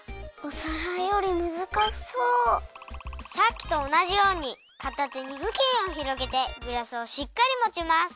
さっきとおなじようにかた手にふきんをひろげてグラスをしっかりもちます。